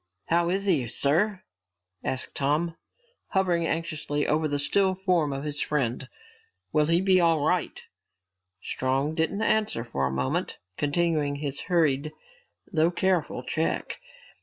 "How is he, sir?" asked Tom, hovering anxiously over the still form of his friend. "Will he be all right?" Strong didn't answer for a moment, continuing his hurried, though careful check.